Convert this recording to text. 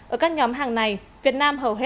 ở các nhóm hàng này việt nam hầu hết